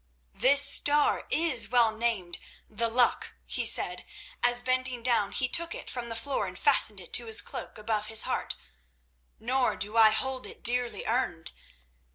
"This Star is well named 'The Luck,'" he said, as bending down he took it from the floor and fastened it to his cloak above his heart, "nor do I hold it dearly earned."